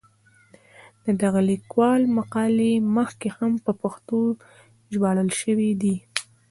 د دغه لیکوال مقالې مخکې هم په پښتو ژباړل شوې دي.